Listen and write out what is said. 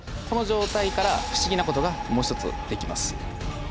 この状態から不思議なことがもう一つできます。